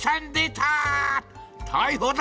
たいほだ！